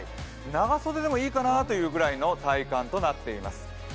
長袖でもいいかなというぐらいの体感となっています。